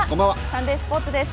サンデースポーツです。